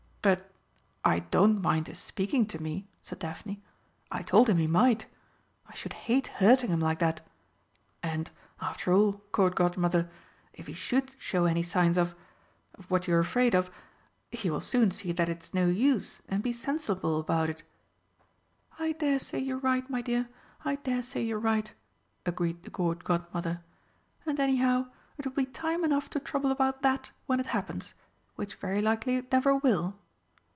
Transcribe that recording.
"But I don't mind his speaking to me," said Daphne. "I told him he might. I should hate hurting him like that. And, after all, Court Godmother, if he should show any signs of of what you're afraid of, he will soon see that it's no use, and be sensible about it." "I dare say you're right, my dear, I dare say you're right," agreed the Court Godmother. "And anyhow, it will be time enough to trouble about that when it happens which very likely it never will."